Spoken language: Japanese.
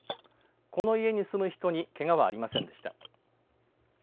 この家に住む人にけがはありませんでした。